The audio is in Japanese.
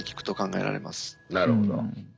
なるほど。